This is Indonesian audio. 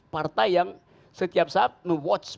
partai yang setiap saat me watch pemerintah